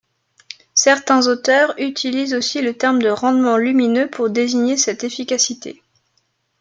Certains auteurs utilisent aussi le terme de rendement lumineux pour désigner cette efficacité.